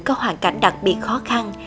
có hoàn cảnh đặc biệt khó khăn